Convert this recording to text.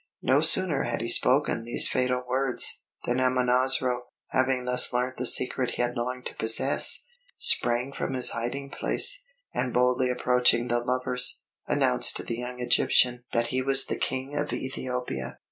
No sooner had he spoken these fatal words, than Amonasro, having thus learnt the secret he had longed to possess, sprang from his hiding place, and boldly approaching the lovers, announced to the young Egyptian that he was the King of Ethiopia.